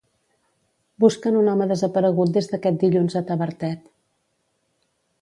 Busquen un home desaparegut des d'aquest dilluns a Tavertet.